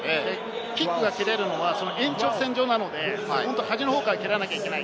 キックが蹴れるのはその延長線なので、端の方から蹴られないといけない。